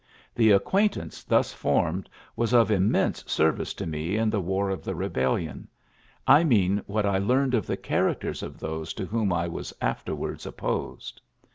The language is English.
... The acquaint ance thus formed was of immense ser Tice to me in the War of the Eebellion, — I mean what I learned of the characters of those to whom I was afterwards opposed.